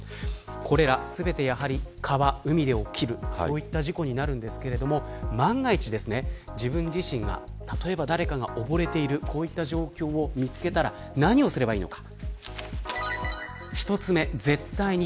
これら全てやはり川、海で起きるそういった事故になりますが万が一、自分自身が例えば誰かが溺れているこういった状況を見つけたら何をすればいいのか。